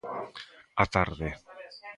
A tarde.